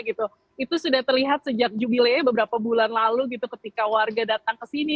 itu sudah terlihat sejak jubilee beberapa bulan lalu gitu ketika warga datang ke sini